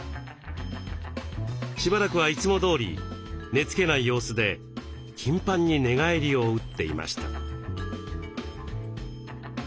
しばらくはいつもどおり寝つけない様子で頻繁に寝返りを打っていました。